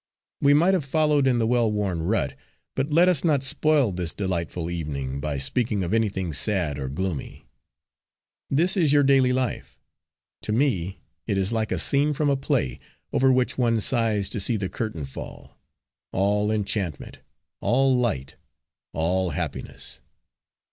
We might have followed in the well worn rut. But let us not spoil this delightful evening by speaking of anything sad or gloomy. This is your daily life; to me it is like a scene from a play, over which one sighs to see the curtain fall all enchantment, all light, all happiness."